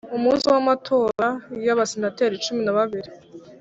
Umunsi w amatora y Abasenateri cumi na babiri